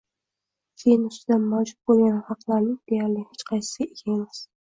kelin ustidan mavjud bo‘lgan «haq»larning deyarli hech qaysisiga ega emas.